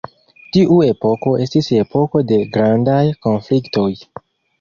Tiu epoko estis epoko de grandaj konfliktoj.